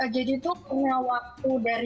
jadi tuh punya waktu dari